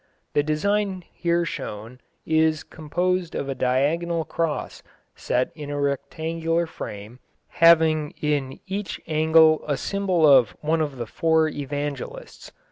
The design here shown is composed of a diagonal cross set in a rectangular frame, having in each angle a symbol of one of the four Evangelists.